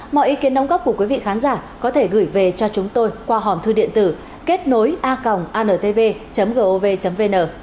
mọi ý kiến đóng góp của quý vị khán giả có thể gửi về cho chúng tôi qua hòm thư điện tử kết nối a g antv gov vn